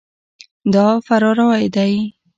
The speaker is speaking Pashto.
دا فراروی ده.